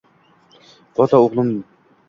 Fotima, o'g'lim.